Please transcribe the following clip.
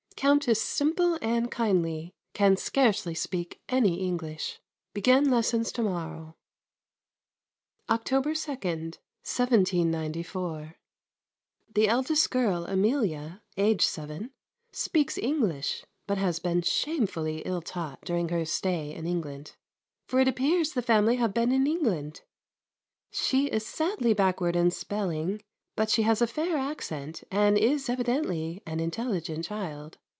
Countess simple and kindly, can scarcely speak any English. Begin lessons to morrow. October 2, 1794. The eldest girl Amelia, aged seven, speaks English but has been shamefully ill taught during her stay in England (for it appears the family have been in England!). She is sadly backward in spelling: but she has a fair accent and is evidently an intelligent child.